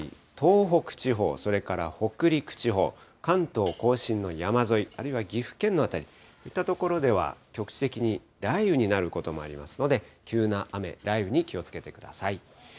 東北地方、それから北陸地方、関東甲信の山沿い、あるいは岐阜県の辺り、こういった所では局地的に雷雨になることもありますので、急な雨、雷雨に気をつけてください。